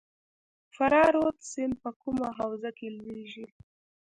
فرا رود سیند په کومه حوزه کې لویږي؟